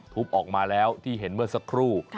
ออกมาแล้วที่เห็นเมื่อสักครู่